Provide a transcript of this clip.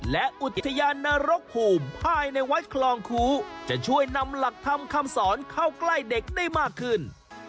และอุทยานนรกภูมิภายในวัดคลองคูจะช่วยนำหลักธรรมคำสอนเข้าใกล้เด็กได้มากขึ้น